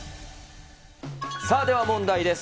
さあ、では問題です。